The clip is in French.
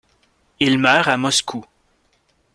Il meurt à Moscou.